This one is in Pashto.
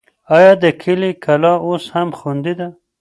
آیا د کلي کلا اوس هم خوندي ده؟